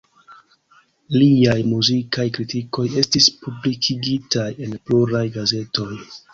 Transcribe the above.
Liaj muzikaj kritikoj estis publikigitaj en pluraj gazetoj.